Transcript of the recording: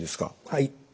はい。